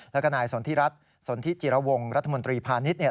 แล้วก็นายสนทิรัฐสนทิจิรวงรัฐมนตรีพาณิชย์